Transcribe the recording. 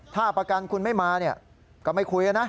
ถ้าประกันคุณไม่มาเนี่ยก็ไม่คุยนะ